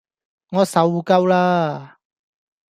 我受夠啦